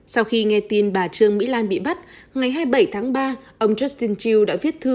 sau khi nghe tin bà trương mỹ lan bị bắt ngày hai mươi bảy tháng ba ông justin true đã viết thư